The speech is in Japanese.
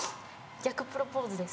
逆プロポーズです。